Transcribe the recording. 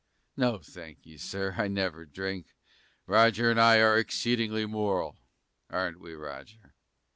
No, thank ye, Sir, I never drink; Roger and I are exceedingly moral, Aren't we, Roger?